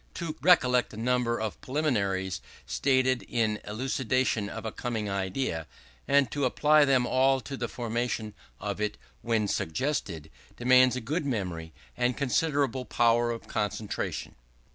To recollect a number of preliminaries stated in elucidation of a coming idea, and to apply them all to the formation of it when suggested, demands a good memory and considerable power of concentration.